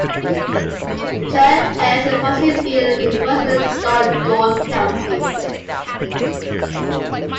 The trail ends in Purcellville in western Loudoun County.